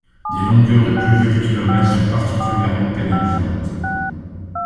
Des longueurs de plusieurs kilomètres sont particulièrement pénalisantes.